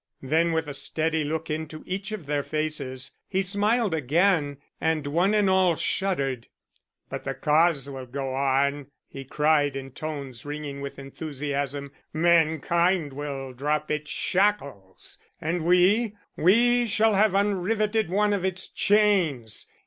Then, with a steady look into each of their faces, he smiled again and one and all shuddered. "But the Cause will go on," he cried in tones ringing with enthusiasm. "Mankind will drop its shackles and we, we shall have unriveted one of its chains.